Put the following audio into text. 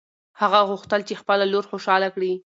هغه غوښتل چې خپله لور خوشحاله کړي.